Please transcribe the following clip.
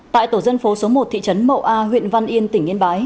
tại tổ dân phố số một thị trấn mậu a huyện văn yên tỉnh yên bái